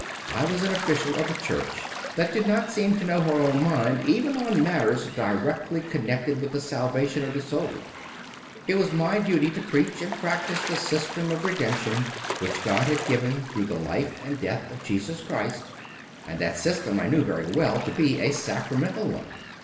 I was an official of a church that did not seem to know her own mind even on matters directly con nected with the salvation of the soul. It was my duty to preach and practise the system of redemp tion which God had given through the life and death CONFESSIONS OF A CONVERT 93 of Jesus Christ, and that system I knew very well to be a sacramental one.